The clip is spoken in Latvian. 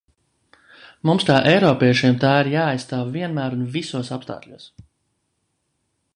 Mums kā eiropiešiem tā ir jāaizstāv vienmēr un visos apstākļos.